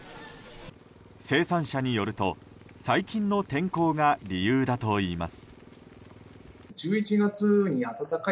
生産者によると、最近の天候が理由だといいます。